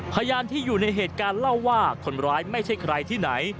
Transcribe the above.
พยานที่อยู่ในเหตุการณ์เล่าว่าคนร้ายไม่ใช่ใครที่ไหน